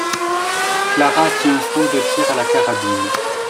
Clara tient un stand de tir à la carabine.